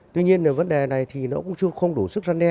tuy nhiên là vấn đề này thì nó cũng chưa không đủ sức gian đe